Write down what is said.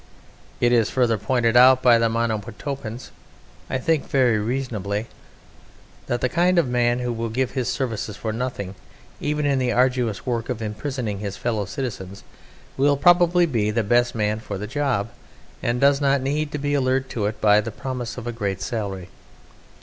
It is further pointed out by the Monomotapans (I think very reasonably) that the kind of man who will give his services for nothing, even in the arduous work of imprisoning his fellow citizens, will probably be the best man for the job, and does not need to be allured to it by the promise of a great salary.